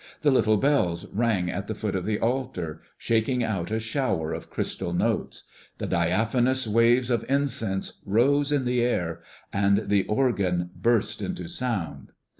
The little bells rang at the foot of the altar, shaking out a shower of crystal notes. The diaphanous waves of incense rose in the air and the organ burst into sound.